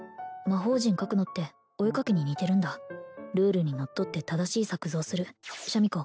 魔方陣描くのってお絵描きに似てるんだルールにのっとって正しい作図をするシャミ子